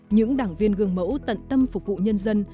những đảng viên gương mẫu tận tâm phục vụ nhân dân